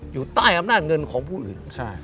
อยู่ใต้อำนาจเงินของผู้อื่น